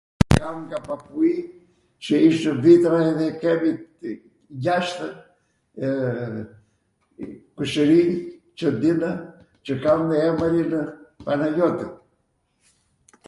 e kam nga papui qw ishtw vitra edhe kemi gjashtw www kushwrinj qw dinw qw kanw emrinw Panajoti